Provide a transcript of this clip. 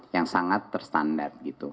yang sangat terstandar